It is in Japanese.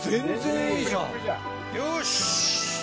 ・よし！